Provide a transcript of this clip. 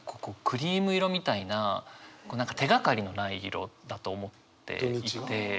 クリーム色みたいな何か手がかりのない色だと思っていて。